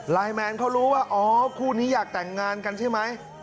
แมนเขารู้ว่าอ๋อคู่นี้อยากแต่งงานกันใช่ไหม